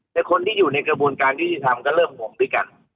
แต่คนที่อยู่ในกระบวนการยุติธรรมก็เริ่มงงด้วยกัน